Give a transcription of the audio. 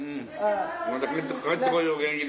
また帰って来いよ元気で。